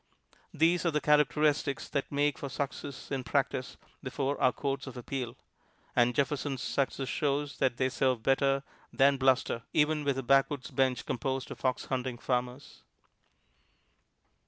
These are the characteristics that make for success in practise before our Courts of Appeal; and Jefferson's success shows that they serve better than bluster, even with a backwoods bench composed of fox hunting farmers.